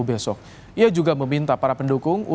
besok saya tetap di sorong